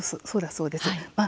そうだそうです。